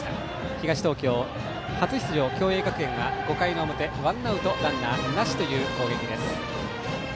東東京、初出場の共栄学園は５回の表、ワンアウトランナーなしという攻撃です。